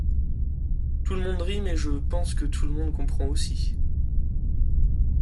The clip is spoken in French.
Tout le monde rit, mais je pense que tout le monde comprend aussi.